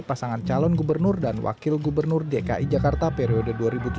pasangan calon gubernur dan wakil gubernur dki jakarta periode dua ribu tujuh belas dua ribu dua